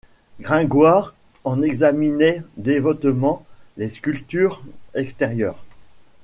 Gringoire en examinait dévotement les sculptures extérieures.